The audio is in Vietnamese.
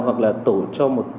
hoặc là tổ cho một